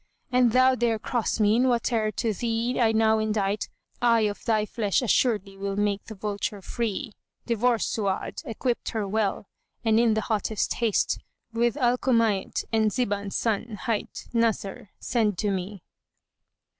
An thou dare cross me in whate'er to thee I now indite * I of thy flesh assuredly will make the vulture free. Divorce Su'ad, equip her well, and in the hottest haste * With Al Kumayt and Ziban's son, hight Nasr, send to me.